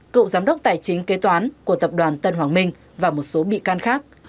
cựu giám đốc tài chính kế toán của tập đoàn tân hoàng minh và một số bị can khác